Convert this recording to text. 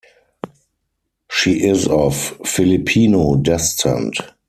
She is of Filipino descent.